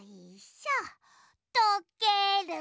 とける。